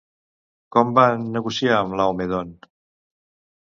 Com van negociar amb Laomedont?